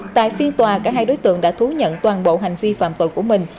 tại phiên tòa cả hai đối tượng đã thú nhận toàn bộ hành vi phạm tội của mình